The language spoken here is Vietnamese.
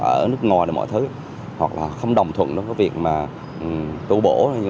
ở nước ngoài này mọi thứ hoặc là không đồng thuận nó có việc mà tu bổ